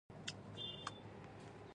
تر یوه ځایه تنظیم شوې وې، مګر په نیمګړي ډول.